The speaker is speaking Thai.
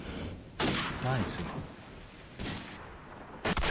ได้สิ